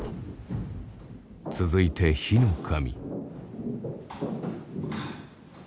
続いて火の神。